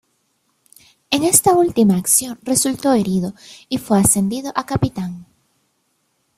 En esta última acción resultó herido y fue ascendido a capitán.